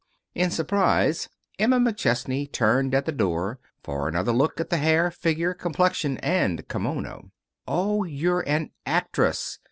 In surprise Emma McChesney turned at the door for another look at the hair, figure, complexion and kimono. "Oh, you're an actress!